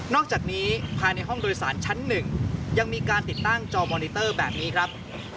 อกจากนี้ภายในห้องโดยสารชั้น๑ยังมีการติดตั้งจอมอนิเตอร์แบบนี้ครับ